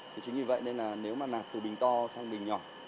thì chính vì vậy nên là nếu mà nạc từ bình to sang bình nhỏ